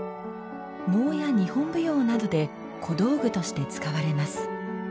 能や日本舞踊などで小道具として使われます。